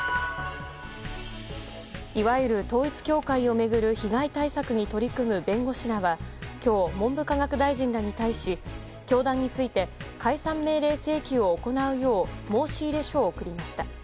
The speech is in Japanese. いわゆる統一教会を巡る被害対策に取り組む弁護士らは今日、文部科学大臣らに対し教団について解散命令請求を行うよう申し入れ書を送りました。